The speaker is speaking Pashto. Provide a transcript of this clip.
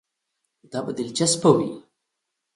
دا به دلچسپه وي.